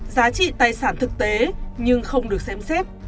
giá trị tài sản thực tế nhưng không được xem xét